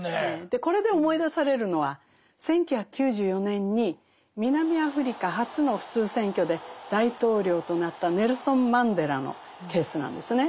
これで思い出されるのは１９９４年に南アフリカ初の普通選挙で大統領となったネルソン・マンデラのケースなんですね。